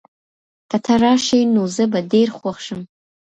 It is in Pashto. که ته راشې، نو زه به ډېر خوښ شم.